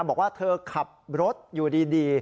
บอกว่าเธอขับรถอยู่ดี